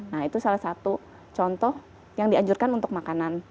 nah itu salah satu contoh yang dianjurkan untuk makanan